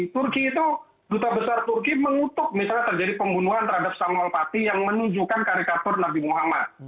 turki itu duta besar turki mengutuk misalnya terjadi pembunuhan terhadap samuel pati yang menunjukkan karikatur nabi muhammad